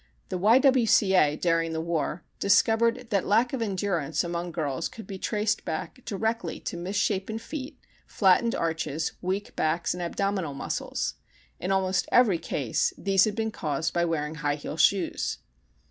The Y. W. C. A. during the war discovered that lack of endurance among girls could be traced back directly to misshapen feet, flattened arches, weak backs and abdominal muscles. In almost every case these had been caused by wearing high heel shoes.